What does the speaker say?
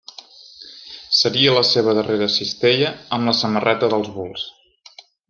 Seria la seva darrera cistella amb la samarreta dels Bulls.